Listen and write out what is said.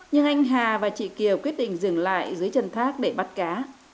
nhưng anh hà và chị kiều quyết định dừng lại dưới chân thác để bắt cá